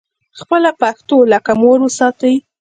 خپله پښتو لکه مور وساتئ